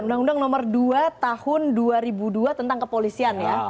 undang undang nomor dua tahun dua ribu dua tentang kepolisian ya